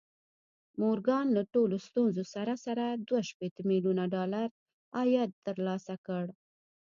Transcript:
مورګان له ټولو ستونزو سره سره دوه شپېته ميليونه ډالر عايد ترلاسه کړ.